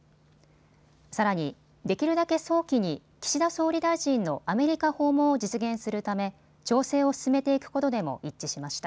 さらに、できるだけ早期に岸田総理大臣のアメリカ訪問を実現するため調整を進めていくことでも一致しました。